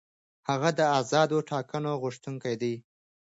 هغه د آزادو ټاکنو غوښتونکی دی.